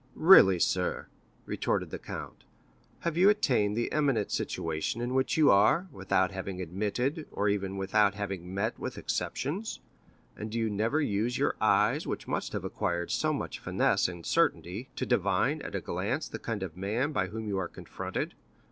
"Really, sir," retorted the count, "have you attained the eminent situation in which you are, without having admitted, or even without having met with exceptions? and do you never use your eyes, which must have acquired so much finesse and certainty, to divine, at a glance, the kind of man by whom you are confronted?